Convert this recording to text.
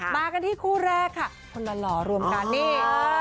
มากันที่คู่แรกค่ะคนหล่อรวมกันนี่